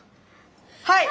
はい！